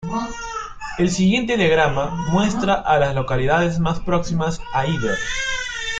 El siguiente diagrama muestra a las localidades más próximas a Hyder.